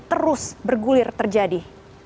terus bergulir terjadi